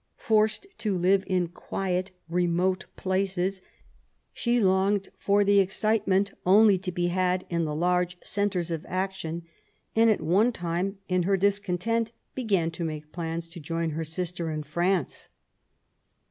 Forced to live in quiet, remote places, she longed for the excitement only to be had in the large centres of action, and at one time, in her discon tent, began to make plans to join her sister in France.